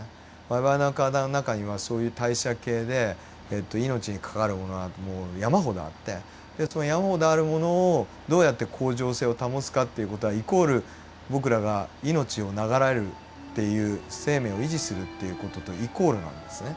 我々の体の中にはそういう代謝系で命に関わるものなんてもう山ほどあってでその山ほどあるものをどうやって恒常性を保つかっていう事はイコール僕らが命を長らえるっていう生命を維持するっていう事とイコールなんですね。